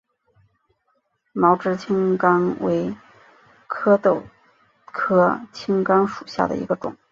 毛枝青冈为壳斗科青冈属下的一个种。